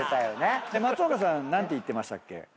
松岡さん何て言ってましたっけ？